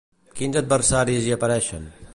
Quins adversaris hi apareixen?